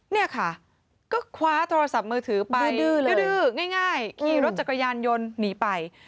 เนี่ยค่ะก็คว้าโทรศัพท์มือถือไปดื้อเลยดื้อง่ายขี่รถจักรยานยนต์หนีไป